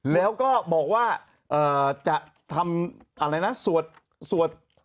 แล้วก็บอกว่าจะทำอะไรนะสวดสวด